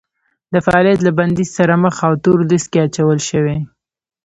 د فعالیت له بندیز سره مخ او تور لیست کې اچول شوي